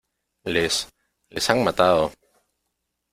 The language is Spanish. les... les han matado .